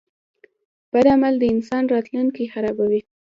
• بد عمل د انسان راتلونکی خرابوي.